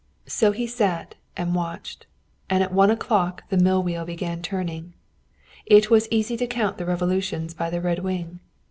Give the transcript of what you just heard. So he sat and watched. And at one o'clock the mill wheel began turning. It was easy to count the revolutions by the red wing.